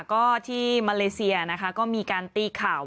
ก็ที่โมเวสนะครับก็มีการตีข่าว